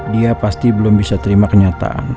dia pasti belum bisa terima kenyataan